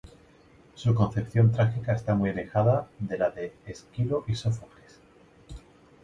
Su concepción trágica está muy alejada de la de Esquilo y Sófocles.